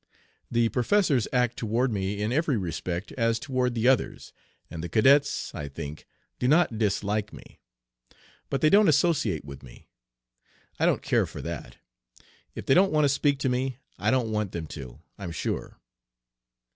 The professors act toward me in every respect as toward the others, and the cadets, I think, do not dislike me. But they don't associate with me. I don't care for that. If they don't want to speak to me I don't want them to, I'm sure.'